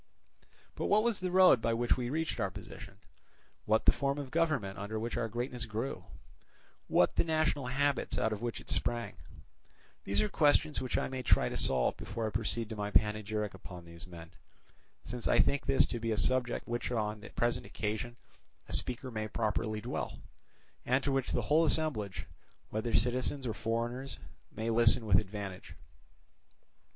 But what was the road by which we reached our position, what the form of government under which our greatness grew, what the national habits out of which it sprang; these are questions which I may try to solve before I proceed to my panegyric upon these men; since I think this to be a subject upon which on the present occasion a speaker may properly dwell, and to which the whole assemblage, whether citizens or foreigners, may listen with advantage.